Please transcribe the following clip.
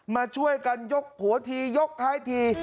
มาช่วยกันยกหัวทียกท้ายที